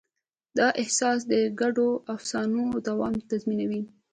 دا احساس د ګډو افسانو دوام تضمینوي.